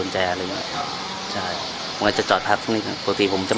และอันดับสุดท้ายประเทศอเมริกา